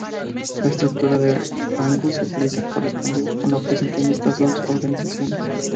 La estructura de rangos utilizada correspondió con la presente en estas dos organizaciones.